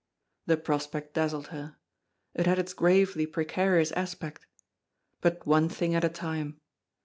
The prospect dazzled her. It had its gravely precarious aspect. But one thing at a time.